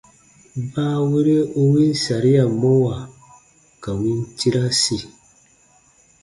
Baawere u win saria mɔwa ka win tirasi.